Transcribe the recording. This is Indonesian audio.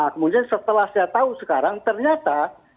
kemudian setelah saya tahu sekarang ternyata